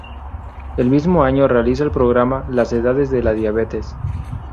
El mismo año realiza el programa "Las edades de la diabetes".